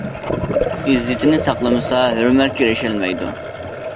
ئىززىتىنى ساقلىمىسا ھۆرمەتكە ئېرىشەلمەيدۇ!